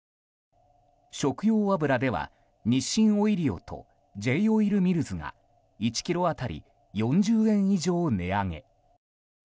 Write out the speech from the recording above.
食用油では、日清オイリオとＪ‐オイルミルズが１ｋｇ当たり４０円以上値上げ。